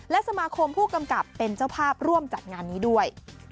และสมาคมผู้กำกับเป็นเจ้าภาพร่วมจัดงานนี้ด้วย